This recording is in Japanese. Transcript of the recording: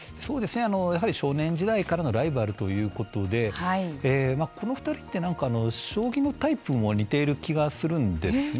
やはり少年時代からのライバルということでこの２人ってなんか将棋のタイプも似ている気がするんですね。